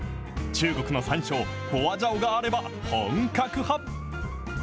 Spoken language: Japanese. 中国の山椒、ホワジャオがあれば本格派。